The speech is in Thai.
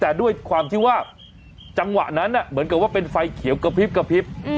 แต่ด้วยความที่ว่าจังหวะนั้นเหมือนกับว่าเป็นไฟเขียวกระพริบกระพริบ